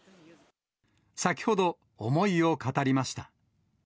先ほど、思いを語りました。